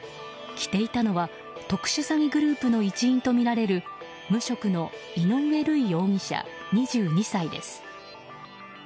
着ていたのは特殊詐欺グループの一員とみられる無職の井上類容疑者、２２歳です。